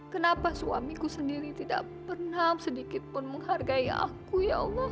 kenapa suamiku sendiri tidak pernah sedikit pun menghargai aku ya allah